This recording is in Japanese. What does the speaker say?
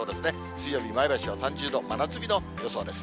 水曜日、前橋は３０度、真夏日の予想です。